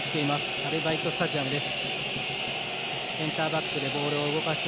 アルバイトスタジアムです。